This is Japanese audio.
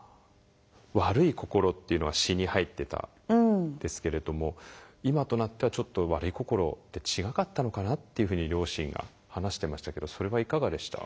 「悪い心」っていうのが詩に入ってたんですけれども今となってはちょっと「悪い心」って違かったのかなっていうふうに両親が話してましたけどそれはいかがでした？